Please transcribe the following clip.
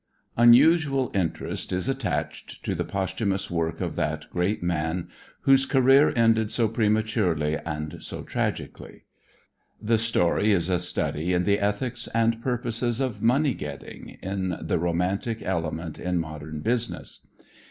Unusual interest is attached to the posthumous work of that great man whose career ended so prematurely and so tragically. The story is a study in the ethics and purposes of money getting, in the romantic element in modern business.